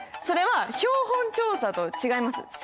それは標本調査とは違います。